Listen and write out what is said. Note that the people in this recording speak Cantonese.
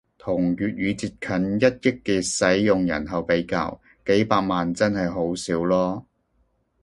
同粵語接近一億嘅使用人口比較，幾百萬真係好少囉